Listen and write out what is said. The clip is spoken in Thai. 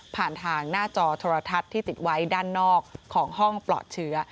ผ่านทางหน้าจอโทรทัศน์ที่ติดไว้ด้านนอกของห้องปลอดเชื้อ